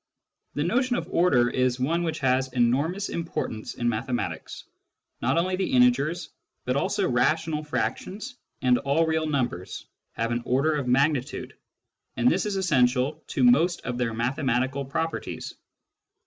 The notion of order is one which has enormous importance in mathematics. Not only the integers, but also rational frac tions and all real numbers have an order of magnitude, and this is essential to most of their mathematical properties.